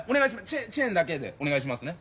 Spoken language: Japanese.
チェーンだけでお願いしますね